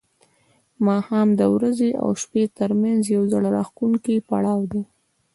ماښام د ورځې او شپې ترمنځ یو زړه راښکونکی پړاو دی.